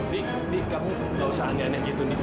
di di kamu gak usah aneh aneh gitu indi